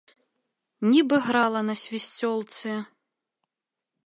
Нібы грала на свісцёлцы.